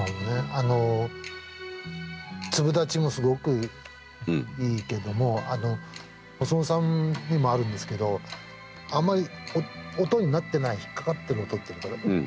あの粒立ちもすごくいいけども細野さんにもあるんですけどあまり音になってない引っ掛かってる音っていうのかな。